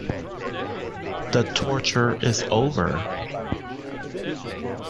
The torture is over.